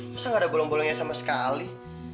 masa gak ada bolong bolongnya sama sekali